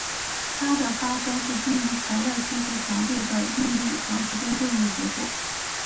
它的发生是低于材料屈服强度的应力长时间作用的结果。